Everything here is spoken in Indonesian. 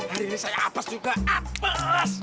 hari ini saya apes juga apes